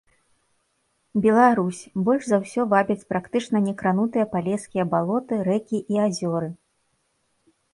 Беларусь, больш за ўсё вабяць практычна некранутыя палескія балоты, рэкі і азёры.